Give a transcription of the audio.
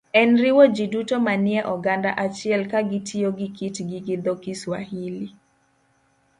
en riwo ji duto manie oganda achiel ka gitiyo gi kitgi gi dho - Kiswahili.